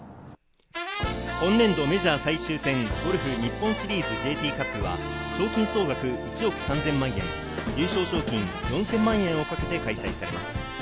今年のメジャー最終戦、ゴルフ日本シリーズＪＴカップは賞金総額１億３０００万円、優勝賞金４０００万円をかけて開催されます。